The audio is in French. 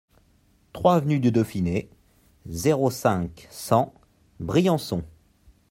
trois avenue du Dauphiné, zéro cinq, cent, Briançon